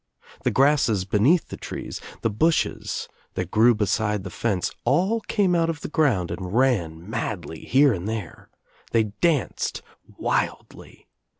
The grasses beneath the trees, the bushes that grew beside the fence — all came out of the ' ground and ran madly here and there. They danced I wildly.